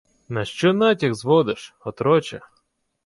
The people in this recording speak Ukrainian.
— На що натяк зводиш, отроче?